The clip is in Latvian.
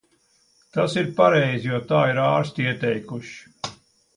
Tas ir pareizi, jo tā ir ārsti ieteikuši.